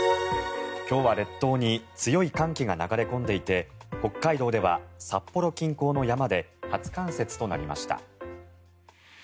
今日は列島に強い寒気が流れ込んでいて北海道では札幌近郊の山で初冠雪となりました。